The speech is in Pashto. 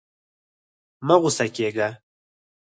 مه غوسه کېږه.